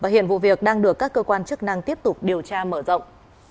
hiện vụ việc đang được các cơ quan chức năng tiếp tục điều tra mở rộng